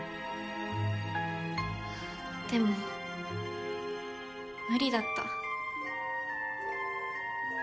でも無理だった。